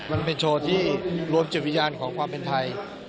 มันเป็นโชว์ที่รวมจิตวิญญาณของความเป็นไทย